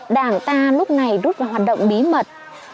đảng ta lúc này rút vào hoạt động bí mật